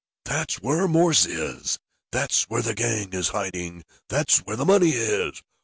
That's where Morse is! That's where the gang is hiding! That's where the money is!